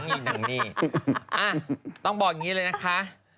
นี่ต้องบอกอย่างนี้เลยนะคะ